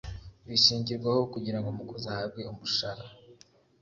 bishingirwaho kugira ngo umukozi ahabwe umushara